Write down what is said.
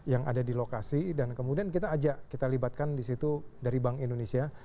yang ada di lokasi dan kemudian kita ajak kita libatkan di situ dari bank indonesia